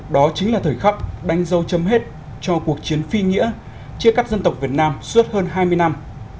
đó chính là thời khắc đánh dâu chấm hết cho cuộc chiến phi nghĩa chia cắt dân tộc việt nam suốt hơn hai mươi năm